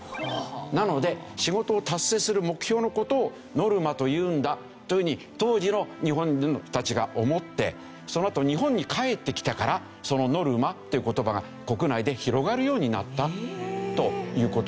なので仕事を達成する目標の事を「ノルマ」と言うんだという風に当時の日本の人たちが思ってそのあと日本に帰ってきたからその「ノルマ」っていう言葉が国内で広がるようになったという事なんですね。